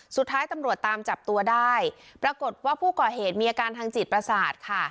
สุดท้ายตำรวจตามจับตัวได้ปรากฏว่าผู้ก่อเหตุมีอาการทางจิตประสาทค่ะ